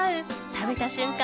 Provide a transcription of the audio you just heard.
食べた瞬間